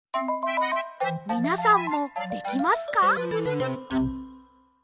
みなさんもできますか？